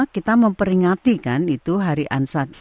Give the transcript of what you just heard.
kita memperingatikan itu hari ansar